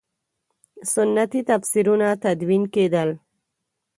سنتي تفسیرونه تدوین کېدل.